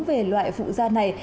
về loại phụ da này